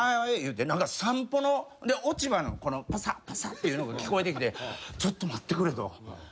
言うて散歩の落ち葉のパサパサっていうのが聞こえてきてちょっと待ってくれと。